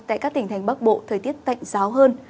tại các tỉnh thành bắc bộ thời tiết tạnh giáo hơn